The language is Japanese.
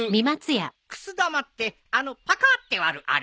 くす玉ってあのパカッて割るあれね。